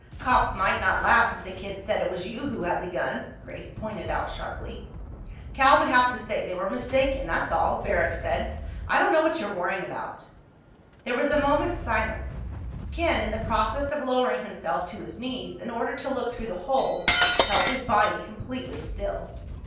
"Cops might not laugh if the kids said it was you who had the gun," Grace pointed out sharply. "Cal would have to say they were mistaken, that's all," Barrack said. "I don't know what you're worrying about." There was a moment's silence. Ken, in the process of lowering himself to his knees in order to look through the hole, held his body completely still.